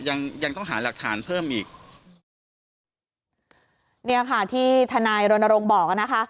ยังยังต้องหาหลักฐานเพิ่มอีกเนี่ยค่ะที่ทนายรณรงค์บอกอ่ะนะคะ